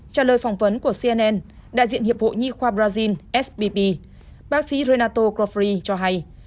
trả lời phỏng vấn của cnn đại diện hiệp hội nhi khoa brazil bác sĩ renato crofri cho hay